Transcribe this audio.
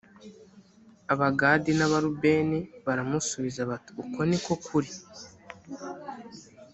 abagadi n’abarubeni baramusubiza bati uko ni ko kuri